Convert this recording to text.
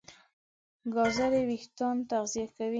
ګازرې وېښتيان تغذیه کوي.